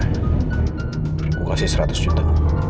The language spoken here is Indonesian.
aku kasih seratus juta